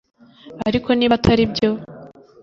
ariko niba atari byo